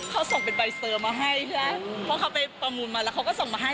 เขาส่งเป็นใบเซอร์มาให้ใช่ไหมเพราะเขาไปประมูลมาแล้วเขาก็ส่งมาให้